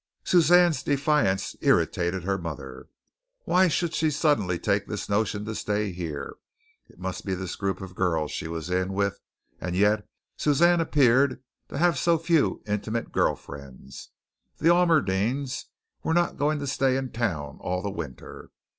Suzanne's defiance irritated her mother. Why should she suddenly take this notion to stay here? It must be this group of girls she was in with, and yet, Suzanne appeared to have so few intimate girl friends. The Almerdings were not going to stay in town all the winter.